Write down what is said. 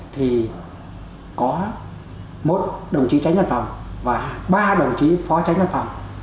thì có một đồng chí tránh văn phòng và ba đồng chí phó tránh văn phòng